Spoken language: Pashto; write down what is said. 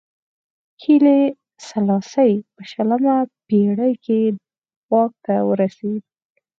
هیلي سلاسي په شلمه پېړۍ کې واک ته ورسېد.